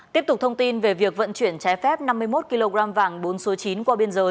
tiếp tục thông tin về việc vận chuyển trái phép năm mươi một kg vàng bốn số chín qua biên giới